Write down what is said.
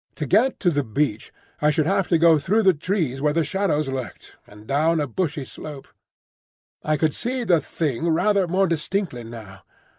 To get to the beach I should have to go through the trees where the shadows lurked, and down a bushy slope. I could see the Thing rather more distinctly now.